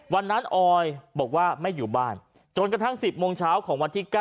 ออยบอกว่าไม่อยู่บ้านจนกระทั่ง๑๐โมงเช้าของวันที่๙